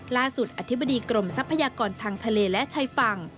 อธิบดีกรมทรัพยากรทางทะเลและชายฝั่ง